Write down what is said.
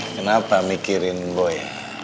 kenapa mikirin boy